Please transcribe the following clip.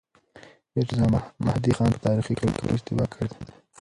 ميرزا مهدي خان په تاريخي کلونو کې اشتباه کړې ده.